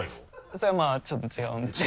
それはまぁちょっと違うんですけど。